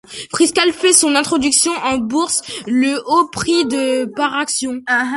Freescale fait son introduction en bourse le au prix de par action.